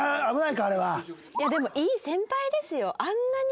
いやでもいい先輩ですよ。